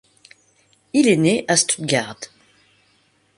Il est né à Stuttgart.